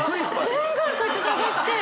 すごいこうやって探して！